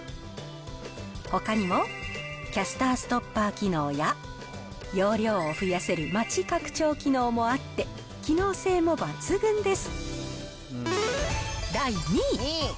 ほかにもキャスターストッパー機能や、容量を増やせるマチ拡張機能もあって、機能性も抜群です。